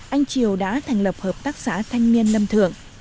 anh triều đã thành lập hợp tác xã thanh niên lâm thượng